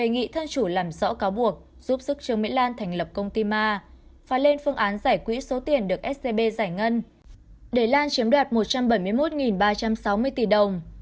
nghị thân chủ làm rõ cáo buộc giúp sức trương mỹ lan thành lập công ty ma và lên phương án giải quyết số tiền được scb giải ngân để lan chiếm đoạt một trăm bảy mươi một ba trăm sáu mươi tỷ đồng